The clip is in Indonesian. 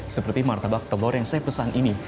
seperti martabak telur yang saya pesan ini